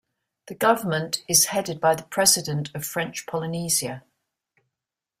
The government is headed by the President of French Polynesia.